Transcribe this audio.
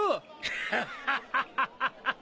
ハハハハ！